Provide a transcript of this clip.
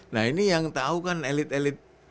nah ini yang tahu kan elit elit